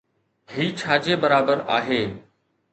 هي ڇا جي برابر آهي؟